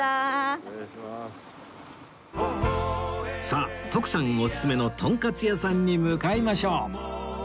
さあ徳さんおすすめのとんかつ屋さんに向かいましょう